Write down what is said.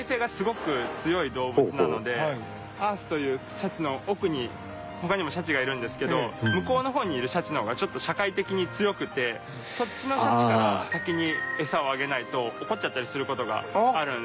アースというシャチの奥に他にもシャチがいるんですけど向こうの方にいるシャチの方がちょっと社会的に強くてそっちのシャチから先にエサをあげないと怒っちゃったりする事があるんですよね。